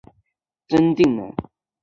真定人。